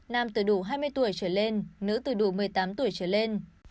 nam từ đủ hai mươi tuổi trở lên nữ từ đủ một mươi tám tuổi trở lên